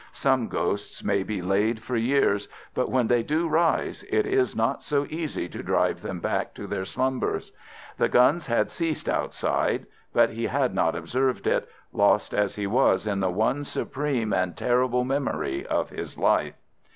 Some ghosts may be laid for years, but when they do rise it is not so easy to drive them back to their slumbers. The guns had ceased outside, but he had not observed it, lost as he was in the one supreme and terrible memory of his life.